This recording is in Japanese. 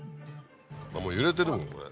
もう揺れてるもんね